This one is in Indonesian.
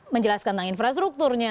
menjelaskan tentang infrastrukturnya